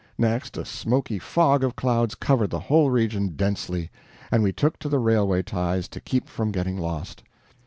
Next a smoky fog of clouds covered the whole region densely, and we took to the railway ties to keep from getting lost.